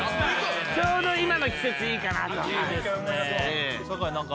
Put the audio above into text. ちょうど今の季節いいかなと酒井何か